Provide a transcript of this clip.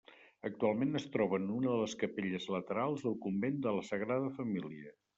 Actualment es troba en una de les capelles laterals del convent de la Sagrada Família.